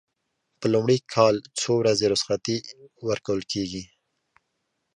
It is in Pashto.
په لومړي کال څو ورځې رخصتي ورکول کیږي؟